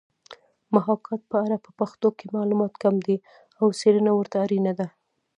محاکات په اړه په پښتو کې معلومات کم دي او څېړنه ورته اړینه ده